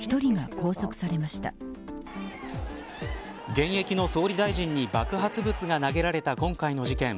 現役の総理大臣に爆発物が投げられた今回の事件。